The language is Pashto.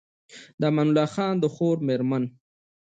د امان الله خان د خور مېرمن